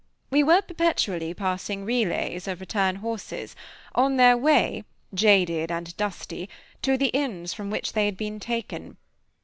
We were perpetually passing relays of return horses, on their way, jaded and dusty, to the inns from which they had been taken.